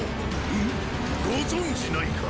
ん⁉ご存じないか。